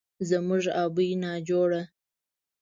زموږ ابۍ ناجوړه